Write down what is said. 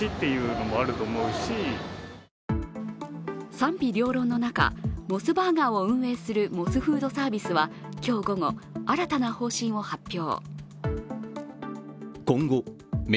賛否両論の中、モスバーガーを運営するモスフードサービスは今日午後、新たな方針を発表。